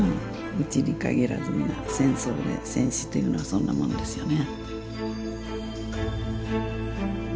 うちに限らず皆戦争で戦死というのはそんなもんですよね。